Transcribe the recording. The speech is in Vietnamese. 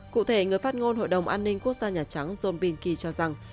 cụ thể người phát ngôn hội đồng an ninh quốc gia nhà trắng john binki cho rằng